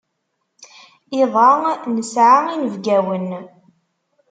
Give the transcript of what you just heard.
Iḍ-a nesɛa inebgawen.